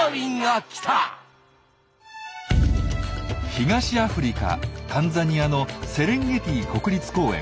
東アフリカタンザニアのセレンゲティ国立公園。